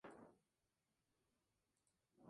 Kennedy al Air Force One.